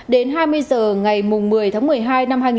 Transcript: đến hai mươi h ngày một mươi một mươi hai hai nghìn hai mươi